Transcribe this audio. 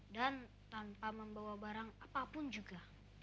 dan tanpa membawa barang apapun juga